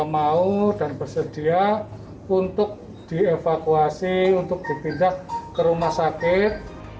mau dan bersedia untuk dievakuasi untuk dipindah ke rumah sakit